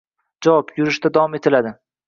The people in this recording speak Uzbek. Javob: Yurishda davom etiladi.